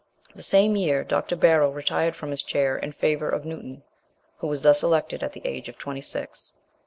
The same year Dr. Barrow retired from his chair in favour of Newton, who was thus elected at the age of twenty six.